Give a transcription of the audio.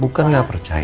bukan nggak percaya